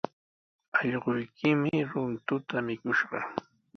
Allquykimi runtuta mikuskishqa.